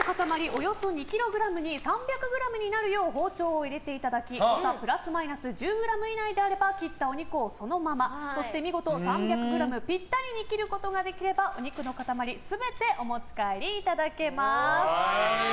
およそ２ｋｇに３００ｇになるよう包丁を入れていただき誤差プラスマイナス１０ｇ以内であれば切ったお肉をそのままそして見事３００ｇピッタリに切ることができればお肉の塊全てお持ち帰りいただけます。